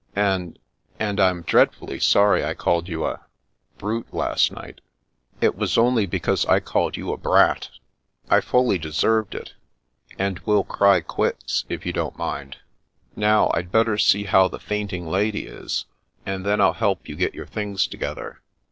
And — and I'm dreadfully sorry I called you a — ^brute, last night." " It was only because I called you a brat. I fully deserved it, and we'll cry quits, if you don't mind. 136 The Princess Passes Now, I'd better see how the fainting lady is, and then ril help you get your things together.